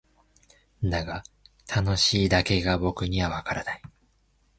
だが「楽しい」だけが僕にはわからない。